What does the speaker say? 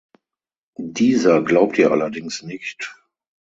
Dieser glaubt ihr allerdings nicht.